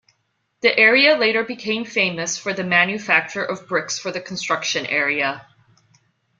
The area later became famous for the manufacture of bricks for the construction area.